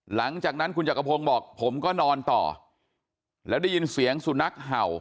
หลังจากนั้นคุณจักรพงศ์บอกผมก็นอนต่อแล้วได้ยินเสียงสุนัขเห่า